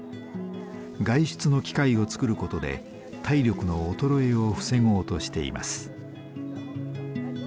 外出の機会をつくることで体力の衰えを防ごうとしています。